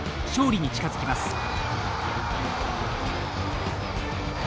勝利に近づきます。